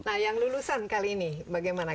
nah yang lulusan kali ini bagaimana